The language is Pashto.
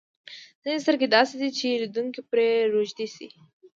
ځینې سترګې داسې دي چې لیدونکی پرې روږدی شي.